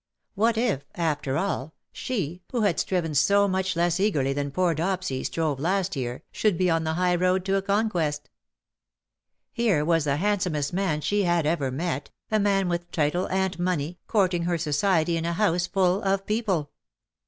What if^ after all^ she^ who had striven so much less eagerly than poor Dopsy strove last year, should be on the high road to a conquest. Here was the handsomest man she had ever met, a man with title and money, courting her society in a house full of people.